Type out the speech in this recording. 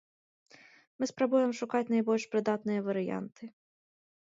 Мы спрабуем шукаць найбольш прыдатныя варыянты.